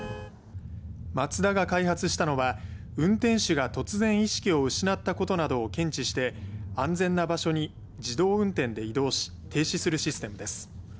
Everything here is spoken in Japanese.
マツダが開発したのは運転手が突然意識を失ったことなどを検知して安全な場所に自動運転で移動し停止するシステムです。